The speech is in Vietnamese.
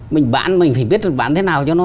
mình bán mình phải biết được bán thế nào cho nó